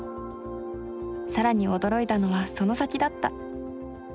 さらに驚いたのはその先だった。